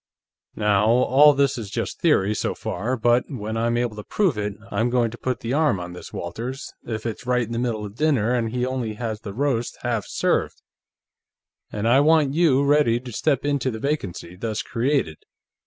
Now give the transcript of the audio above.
"Now, all this is just theory, so far, but when I'm able to prove it, I'm going to put the arm on this Walters, if it's right in the middle of dinner and he only has the roast half served. And I want you ready to step into the vacancy thus created.